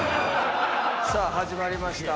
さあ始まりました。